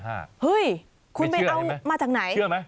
เฮ้ยคุณไม่เอามาจากไหน